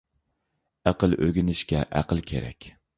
ئەقىل ئۆگىنىشكە ئەقىل كېرەك.